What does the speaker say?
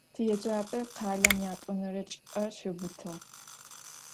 Tiêcap'e khalem yat'onere çç'ıp'er şiubıtığ.